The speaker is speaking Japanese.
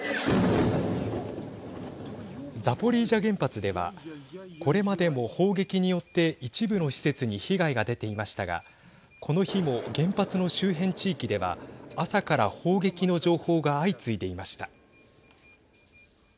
ザポリージャ原発ではこれまでも砲撃によって一部の施設に被害が出ていましたがこの日も原発の周辺地域では朝から砲撃の情報が相次いでいました。